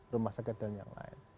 rumah sakit dan yang lain